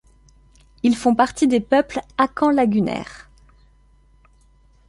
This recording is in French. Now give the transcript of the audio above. Ils font partie des peuples akans lagunaires.